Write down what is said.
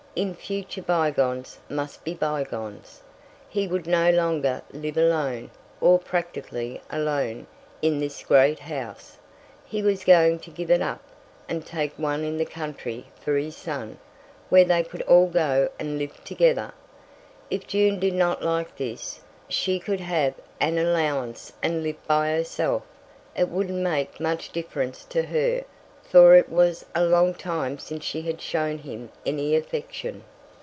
In future bygones must be bygones. He would no longer live alone, or practically alone, in this great house; he was going to give it up, and take one in the country for his son, where they could all go and live together. If June did not like this, she could have an allowance and live by herself. It wouldn't make much difference to her, for it was a long time since she had shown him any affection.